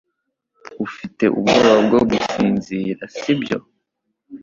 Ufite ubwoba bwo gusinzira si byo